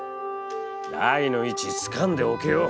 台の位置つかんでおけよ。